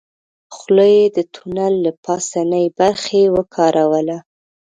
خولۍ يې د تونل له پاسنۍ برخې وکاروله.